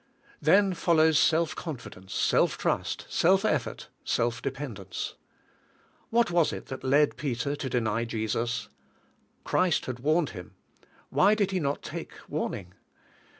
Then follows self confidence, self trust, self effort, self dependence. What was it that led Peter to deny Jesus? Christ had warned him; why did he not take warning?